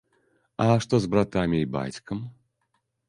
А што з братамі і бацькам?